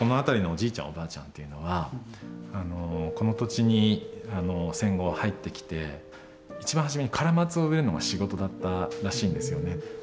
おばあちゃんっていうのはこの土地に戦後入ってきて一番初めにカラマツを植えるのが仕事だったらしいんですよね。